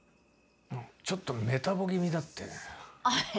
あちょっとメタボ気味だって。